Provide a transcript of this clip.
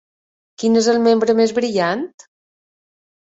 Quin és el membre més brillant?